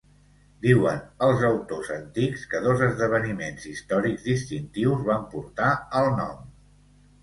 Diuen els autors antics que dos esdeveniments històrics distintius van portar al nom.